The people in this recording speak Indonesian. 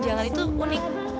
jangan itu unik